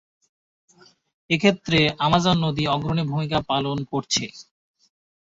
এক্ষেত্রে আমাজন নদী অগ্রণী ভূমিকা পালন করছে।